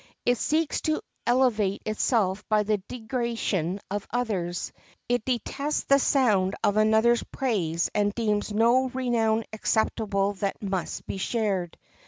It seeks to elevate itself by the degradation of others; it detests the sound of another's praise, and deems no renown acceptable that must be shared.